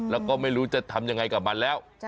แล้วก็ไม่รู้จะทำยังไงกับมันแล้ว